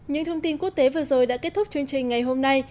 những thông tin quốc tế vừa rồi đã kết thúc chương trình ngày hôm nay